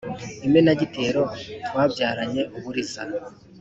imenagitero twabyaranye uw’uburiza